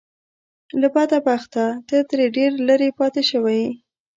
له بده بخته ته ترې ډېر لرې پاتې شوی يې .